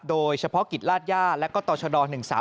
โดยเฉพาะกิจลาดย่าและก็ต่อชด๑๓